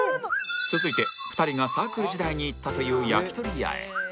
続いて２人がサークル時代に行ったという焼き鳥屋へ